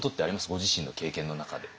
ご自身の経験の中で。